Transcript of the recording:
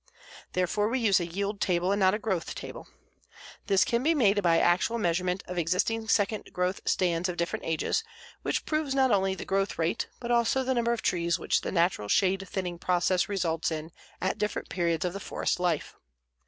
Therefore we use a yield table and not a growth table. This can be made by actual measurement of existing second growth stands of different ages, which proves not only the growth rate but also the number of trees which the natural shade thinning process results in at different periods of the forest life.